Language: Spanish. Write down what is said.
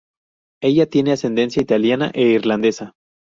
Ella tiene ascendencia italiana e irlandesa.